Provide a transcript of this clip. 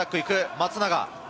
松永！